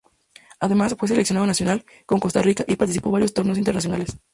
Además fue seleccionado nacional con Costa Rica y participó varios torneos internacionales